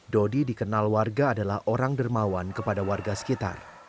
dodi dikenal warga adalah orang dermawan kepada warga sekitar